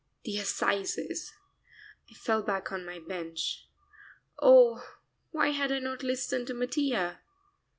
The assizes! I fell back on my bench. Oh, why had I not listened to Mattia.